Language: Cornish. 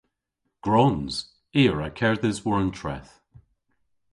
Gwrons! I a wra kerdhes war an treth.